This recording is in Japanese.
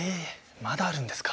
まだあるんですか。